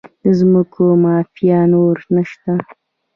د ځمکو مافیا نور نشته؟